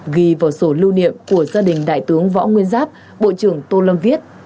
ghi vào sổ lưu niệm của gia đình đại tướng võ nguyên giáp bộ trưởng tô lâm viết